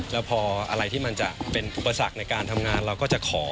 แล้วพออะไรที่มันจะเป็นอุปสรรคในการทำงานเราก็จะขอ